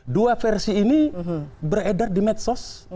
dua versi ini beredar di medsos